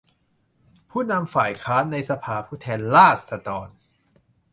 ผู้นำฝ่ายค้านในสภาผู้แทนราษฎร